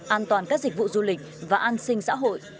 an toàn các dịch vụ du lịch và an sinh xã hội